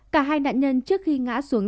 cả hai nạn nhân trước khi ngã xuống